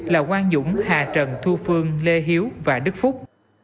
là quang dũng hà trần thu phương lê hiếu và đức phúc